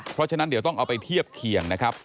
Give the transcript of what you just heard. เพราะฉะนั้นเดี๋ยวต้องเอาไปเทียบเคียงนะครับ